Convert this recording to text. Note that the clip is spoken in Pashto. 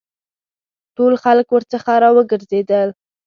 ټول خلک ورڅخه را وګرځېدل.